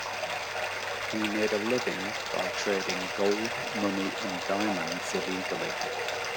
He made a living by trading gold, money and diamonds illegally.